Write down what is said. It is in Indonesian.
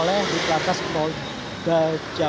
perpustakaan berupaya pemakai pak always seperti itu